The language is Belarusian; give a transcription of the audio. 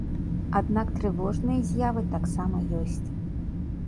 Аднак трывожныя з'явы таксама ёсць.